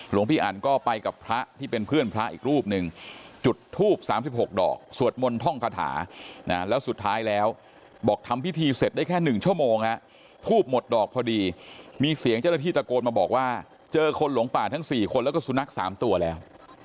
หลวงพี่อันก็ไปกับพระที่เป็นเพื่อนพระอีกรูปหนึ่งจุดทูบ๓๖ดอกสวดมนต์ท่องคาถาแล้วสุดท้ายแล้วบอกทำพิธีเสร็จได้แค่๑ชั่วโมงทูบหมดดอกพอดีมีเสียงเจ้าหน้าที่ตะโกนมาบอกว่าเจอคนหลงป่าทั้ง๔คนแล้วก็สุนัข๓ตัวแล้ว